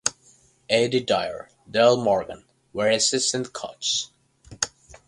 Eddie Dyer and Dell Morgan were assistant coaches.